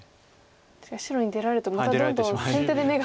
確かに白に出られるとまたどんどん先手で眼が。